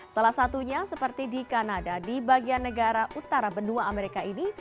salah satunya seperti di kanada di bagian negara utara benua amerika ini